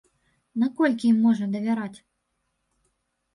Наколькі ім можна давяраць?